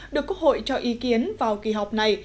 được quốc hội cho ý kiến vào kỳ họp này